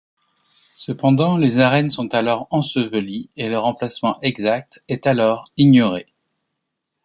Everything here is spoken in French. Cependant, les arènes sont alors ensevelies et leur emplacement exact est alors ignoré.